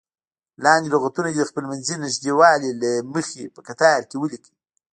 لاندې لغتونه دې د خپلمنځي نږدېوالي له مخې په کتار کې ولیکئ.